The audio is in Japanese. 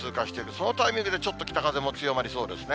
そのタイミングでちょっと北風も強まりそうですね。